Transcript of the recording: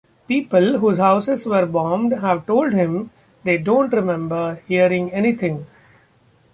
People whose houses were bombed have told him they don't remember hearing anything.